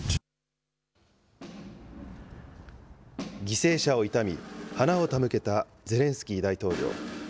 犠牲者を悼み、花を手向けたゼレンスキー大統領。